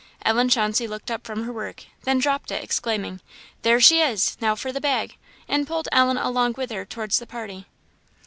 Ellen Chauncey looked up from her work, then dropped it, exclaiming, "There she is! now for the bag!" and pulled Ellen along with her towards the party.